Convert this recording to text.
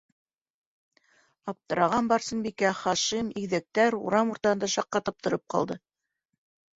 Аптыраған Барсынбикә, Хашим, игеҙәктәр урам уртаһында шаҡ ҡатып тороп ҡалды.